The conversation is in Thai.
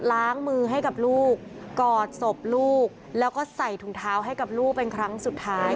ล้างมือให้กับลูกกอดศพลูกแล้วก็ใส่ถุงเท้าให้กับลูกเป็นครั้งสุดท้าย